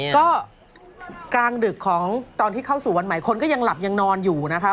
ก็กลางดึกของตอนที่เข้าสู่วันใหม่คนก็ยังหลับยังนอนอยู่นะคะ